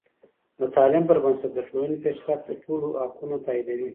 د تعلیم پر بنسټ د ټولنې پیشرفت د ټولو حقونه تاییدوي.